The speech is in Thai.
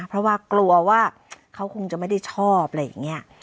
เพราะว่ากลัวว่าเขาคงจะไม่ได้ชอบอะไรอย่างนี้